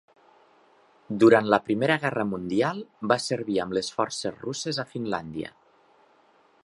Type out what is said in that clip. Durant la Primera Guerra Mundial va servir amb les forces russes a Finlàndia.